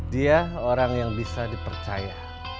dia orang yang bisa dipercaya